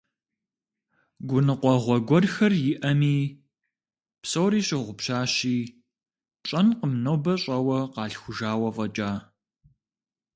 Гуныкъуэгъуэ гуэрхэр иӀэми, псори щыгъупщащи, пщӀэнкъым нобэ щӀэуэ къалъхужауэ фӀэкӀа.